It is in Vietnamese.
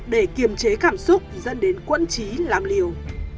để kiềm chế cảm xúc dẫn đến quân trí làm liều